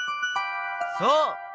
そう！